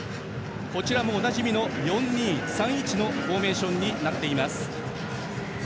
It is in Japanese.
こちらもおなじみの４−２−３−１のフォーメーションです。